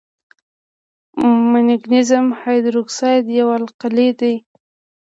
مګنیزیم هایدروکساید یوه القلي ده.